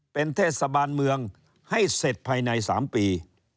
เป็นเทศบาลเมืองให้เสร็จภายใน๓ปี